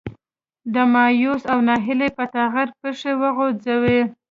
د مايوسي او ناهيلي په ټغر پښې وغځوي.